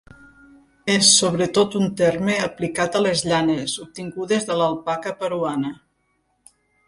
És sobretot un terme aplicat a les llanes, obtingudes de l'alpaca peruana.